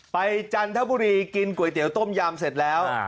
จันทบุรีกินก๋วยเตี๋ยต้มยำเสร็จแล้ว